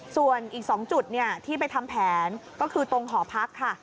ส่วนอีก๒จุดที่ไปทำแผนก็คือตรงหอพักค่ะ